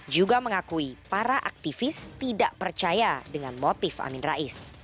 juga mengakui para aktivis tidak percaya dengan motif amin rais